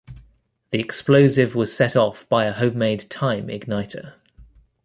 The explosive was set off by a homemade time igniter.